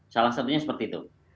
salah satunya seperti itu